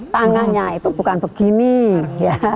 tangannya itu bukan begini ya